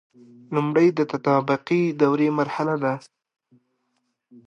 لمړی د تطابقي دورې مرحله ده.